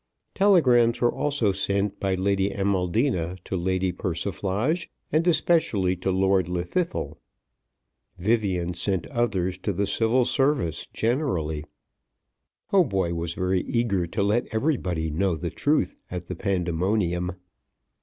Telegrams were also sent by Lady Amaldina to Lady Persiflage, and especially to Lord Llwddythlw. Vivian sent others to the Civil Service generally. Hautboy was very eager to let everybody know the truth at the Pandemonium.